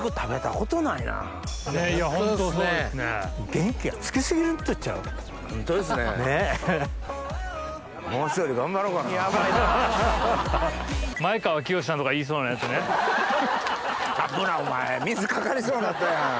危なっお前水かかりそうなったやん。